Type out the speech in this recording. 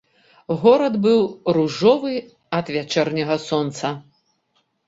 Горад быў ружовы ад вячэрняга сонца.